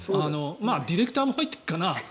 ディレクターも入ってるかな？